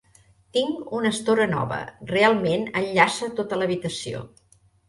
Tinc una estora nova, realment enllaça tota l'habitació.